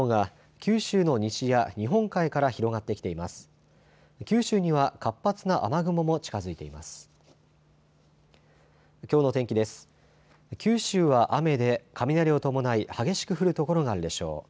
九州は雨で雷を伴い激しく降る所があるでしょう。